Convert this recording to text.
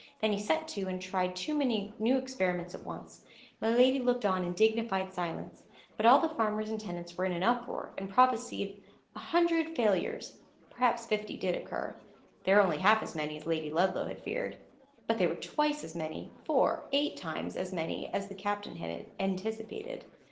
Then he set to, and tried too many new experiments at once. My lady looked on in dignified silence; but all the farmers and tenants were in an uproar, and prophesied a hundred failures. Perhaps fifty did occur; they were only half as many as Lady Ludlow had feared; but they were twice as many, four, eight times as many as the captain had anticipated.